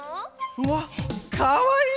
うわかわいい！